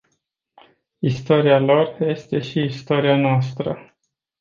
Istoria lor este și istoria noastră.